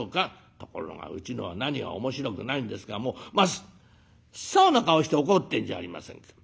ところがうちのは何が面白くないんですかもう真っ青な顔して怒ってんじゃありませんか。